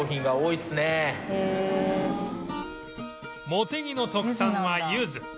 茂木の特産はゆず